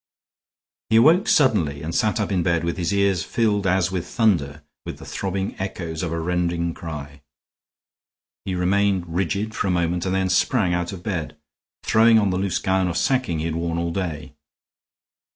He awoke suddenly and sat up in bed with his ears filled, as with thunder, with the throbbing echoes of a rending cry. He remained rigid for a moment, and then sprang out of bed, throwing on the loose gown of sacking he had worn all day.